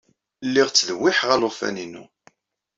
Lliɣ ttdewwiḥeɣ alufan-inu.